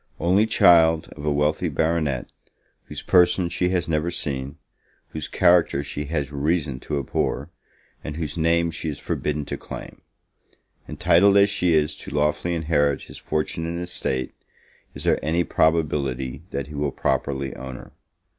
Only child of a wealthy Baronet, whose person she has never seen, whose character she has reason to abhor, and whose name she is forbidden to claim; entitled as she is to lawfully inherit his fortune and estate, is there any probability that he will properly own her?